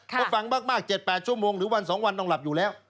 เพราะฟังมาก๗๘ชั่วโมงหรือวัน๒วันต้องหลับอยู่แล้ว